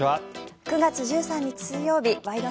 ９月１３日、水曜日「ワイド！